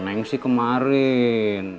neng sih kemarin